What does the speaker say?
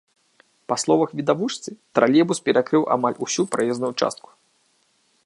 Па словах відавочцы, тралейбус перакрыў амаль усю праезную частку.